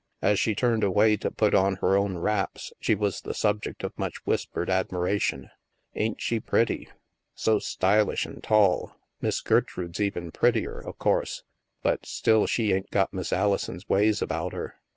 As she turned away to put on her own wraps, she was the subject of much whispered admira tion. *' Ain't she pretty? So stylish an' tall. Miss Gertrude's even prettier, o' course, but still she ain't got Miss Alison's ways about her.